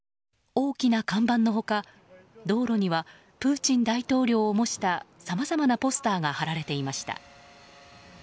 大きな看板の他、道路にはプーチン大統領を模したさまざまなポスターが貼られていました。